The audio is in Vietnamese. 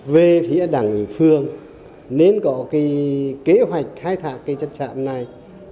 về phía đảng phương nên có cái kế hoạch khai thác cái chất xám này